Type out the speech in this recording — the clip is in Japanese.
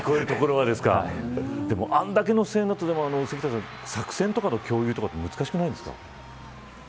あれだけの声援になると作戦とかの共有難しくないですか。